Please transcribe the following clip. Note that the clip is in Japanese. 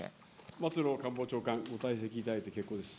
松野官房長官、ご退席いただいて結構です。